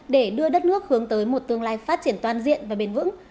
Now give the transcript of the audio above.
để đưa đất nước hướng tới một tương lai phát triển toàn diện và bền vững